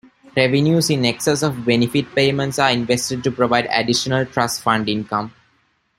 Revenues in excess of benefit payments are invested to provide additional trust fund income.